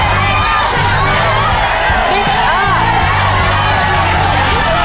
นับเวลา